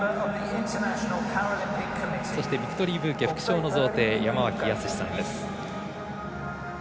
そして、ビクトリーブーケ副賞の贈呈は山脇康さんです。